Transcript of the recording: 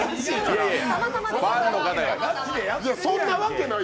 そんなわけない。